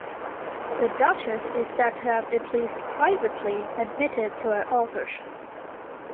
The duchess is said to have at least privately admitted to her authorship.